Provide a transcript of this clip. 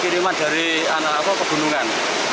kiriman dari kebunungan